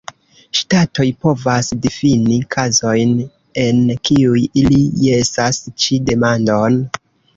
Ŝtatoj povas difini kazojn, en kiuj ili jesas ĉi demandon.